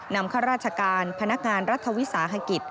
ข้าราชการพนักงานรัฐวิสาหกิจ